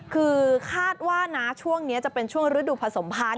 คือคาดว่านะช่วงนี้จะเป็นช่วงฤดูผสมพันธ